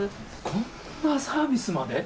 こんなサービスまで？